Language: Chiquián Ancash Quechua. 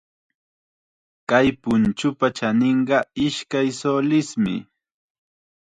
Kay punchupa chaninqa ishkay sulismi.